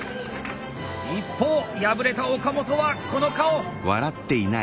一方敗れた岡本はこの顔。